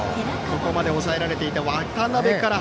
ここまで抑えられていた渡辺から。